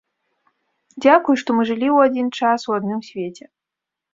Дзякуй, што мы жылі ў адзін час у адным свеце.